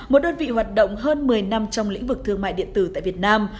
một đơn vị hoạt động hơn một mươi năm trong lĩnh vực thương mại điện tử tại việt nam